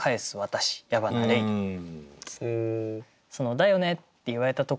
「だよね」って言われたところに対して